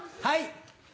はい。